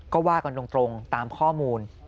ก็ว่ากันตรงตามข้อมูล